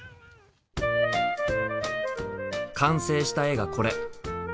完成した絵がこれ！